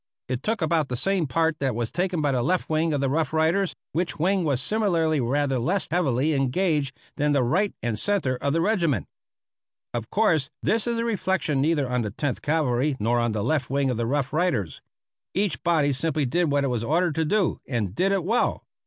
It took about the same part that was taken by the left wing of the Rough Riders, which wing was similarly rather less heavily engaged than the right and centre of the regiment. Of course, this is a reflection neither on the Tenth Cavalry nor on the left wing of the Rough Riders. Each body simply did what it was ordered to do, and did it well.